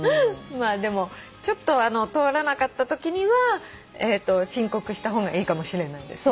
ちょっと通らなかったときには申告した方がいいかもしれないですね。